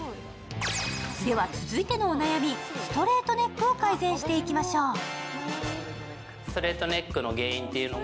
では、続いてのお悩み、ストレートネックを改善していきましょう。